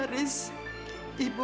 akan ibu serahkan pada kabir